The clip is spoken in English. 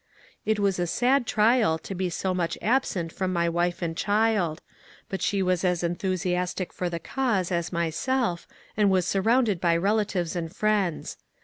It was a sad trial to be so much absent from my wife and child, but she was as enthusiastic for the cause as myself and was surrounded by relatives and friends.